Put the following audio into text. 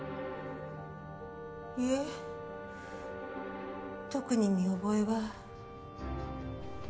いえ特に見覚えは。